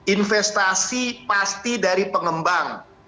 investasi pasti dari pengembang